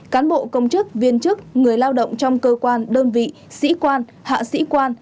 cán bộ công chức viên chức người lao động trong cơ quan đơn vị sĩ quan hạ sĩ quan